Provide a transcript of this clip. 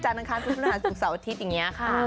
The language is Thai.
จานทางคารพุทธฤหาสุขเสาร์อาทิตย์อย่างนี้ค่ะ